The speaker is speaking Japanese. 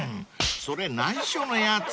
それ内緒のやつ］